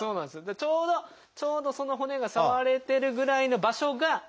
ちょうどその骨が触れてるぐらいの場所が。